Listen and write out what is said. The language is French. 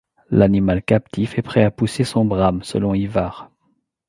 L'animal captif est prêt à pousser son brame selon Yvart.